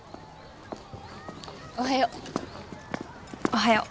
おはよう。